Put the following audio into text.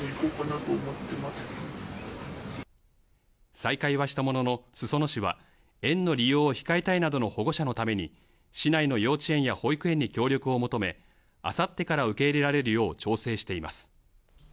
再開はしたものの裾野市は、園の利用を控えたいなどの保護者のために市内の幼稚園や保育園に協力を求め、明後日から受け入れられるよう、調整しています。